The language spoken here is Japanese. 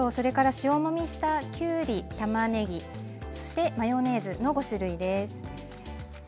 それから塩もみしたきゅうりたまねぎそしてマヨネーズの５種類です。